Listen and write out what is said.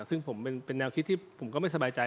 ซึ่งผมเป็นแนวคิดที่ผมก็ไม่สบายใจ